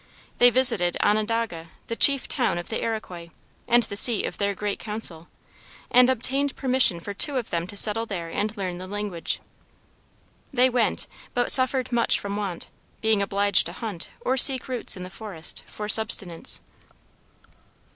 They visited Onondaga, the chief town of the Iroquois, and the seat of their great council, and obtained permission for two of them to settle there and learn the language. They went, but suffered much from want, being obliged to hunt, or seek roots in the forest, for subsistence.